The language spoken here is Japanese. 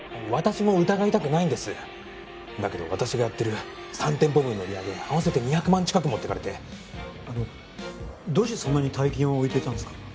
私も疑いたくないんですだけど私がやってる３店舗分の売り上げ合わせて２００万近く持ってかれてあのどうしてそんなに大金を置いていたんですか？